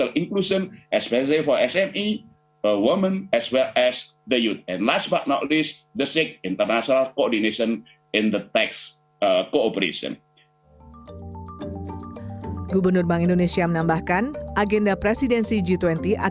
tentang inklusi ekonomi dan finansi terutama untuk sme perempuan dan juga para wanita